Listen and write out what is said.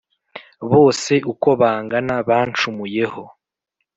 Bose uko bangana bancumuyeho,